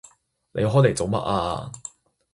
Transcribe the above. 你開嚟做乜啊？